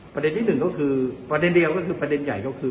ประเด็นที่หนึ่งก็คือประเด็นเดียวก็คือประเด็นใหญ่ก็คือ